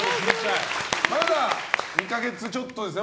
まだ２か月ちょっとですね